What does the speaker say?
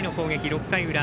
６回裏。